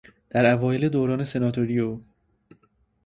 در اوایل دوران سناتوری او